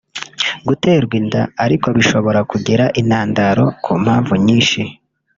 Guterwa inda ariko bishobora kugira intandaro ku mpamvu nyinshi